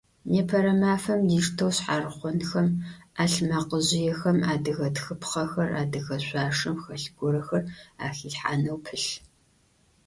Непэрэ мафэм диштэу шъхьарыхъонхэм, ӏэлъмэкъыжъыехэм адыгэ тхыпхъэхэр, адыгэ шъуашэм хэлъ горэхэр ахилъхьанэу пылъ.